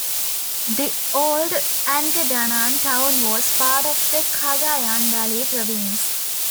The old Angadanan town was part of the Cagayan Valley province.